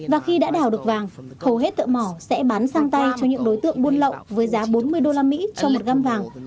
và khi đã đảo được vàng hầu hết thợ mỏ sẽ bán sang tay cho những đối tượng buôn lậu với giá bốn mươi usd trong một gam vàng